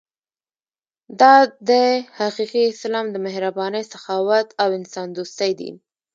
دا دی حقیقي اسلام د مهربانۍ، سخاوت او انسان دوستۍ دین.